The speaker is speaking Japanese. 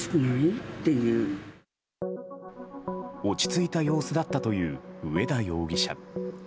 落ち着いた様子だったという上田容疑者。